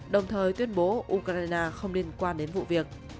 đồng thời tuyên bố ukraine không liên quan đến vụ việc